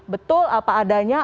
betul apa adanya